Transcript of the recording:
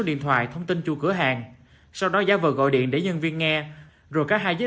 điện thoại thông tin chủ cửa hàng sau đó giáo vờ gọi điện để nhân viên nghe rồi các hai giới